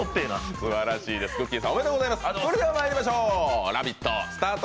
それではまいりましょう、「ラヴィット！」